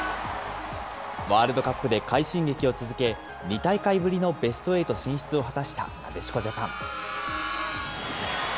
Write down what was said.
ワールドカップで快進撃を続け、２大会ぶりのベストエイト進出を果たしたなでしこジャパン。